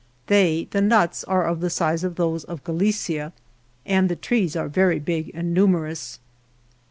They (the nuts) are of the size of those of Galicia, and the trees are very big and numerous.